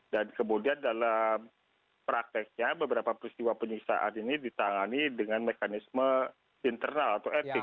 dan kemudian dalam prakteknya beberapa peristiwa penyiksaan ini ditangani dengan mekanisme internal atau etik